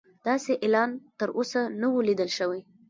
داسې اعلان تر اوسه نه و لیدل شوی.